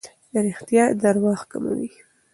رښتیا درواغ کموي.